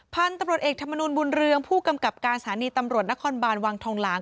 พันธุ์ตำรวจเอกธรรมนุนบุญเรืองผู้กำกับการสถานีตำรวจนครบานวังทองหลาง